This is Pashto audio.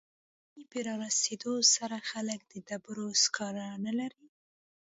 د ژمي په رارسیدو سره خلک د ډبرو سکاره نلري